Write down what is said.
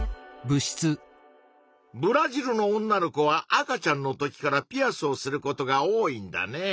ブラジルの女の子は赤ちゃんの時からピアスをすることが多いんだね。